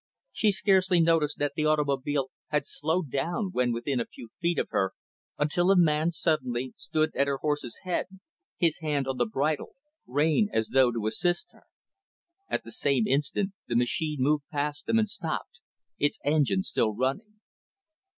She scarcely noticed that the automobile had slowed down, when within a few feet of her, until a man, suddenly, stood at her horse's head; his hand on the bridle rein as though to assist her. At the same instant, the machine moved past them, and stopped; its engine still running.